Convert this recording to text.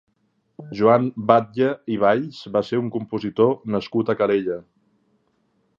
Joan Batlle i Valls va ser un compositor nascut a Calella.